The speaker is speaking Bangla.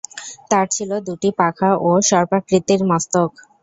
তার ছিল দুটি পাখা ও সর্পাকৃতির মস্তক।